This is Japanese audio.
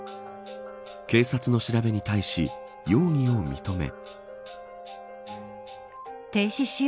警察の調べに対し容疑を認め。